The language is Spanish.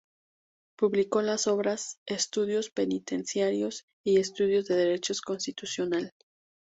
Publicó las obras "Estudios Penitenciarios" y "Estudios de Derecho constitucional".